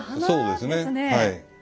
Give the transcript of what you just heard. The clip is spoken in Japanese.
そうですねはい。